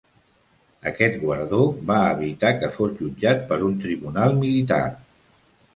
Aquest guardó va evitar que fos jutjat per un tribunal militar.